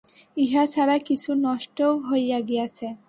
ইহা ছাড়া কিছু নষ্টও হইয়া গিয়াছে।